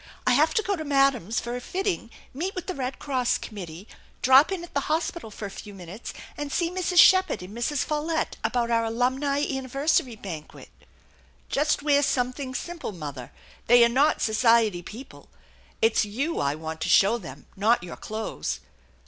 I have to go to Madame's for a fitting, meet with the Red Cross committee, drop in at the hospital for a few minutes, and see Mrs. Sheppard and Mrs. Follette about our Alumni Anniversary banquet." "Just wear something simple, mother. They are not society people. It's you I want to show them, not your clothes."